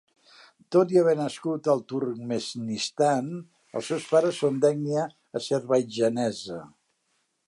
Tot i haver nascut al Turkmenistan, els seus pares són d'ètnia azerbaidjanesa.